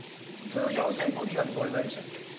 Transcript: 通常の扇風機がどれぐらいでしたっけ？